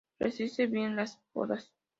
Resiste bien las podas.